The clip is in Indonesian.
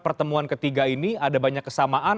pertemuan ketiga ini ada banyak kesamaan